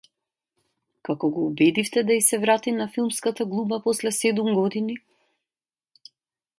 Како го убедивте да ѝ се врати на филмската глума после седум години?